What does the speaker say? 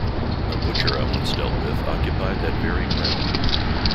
A butcher I once dealt with occupied that very ground.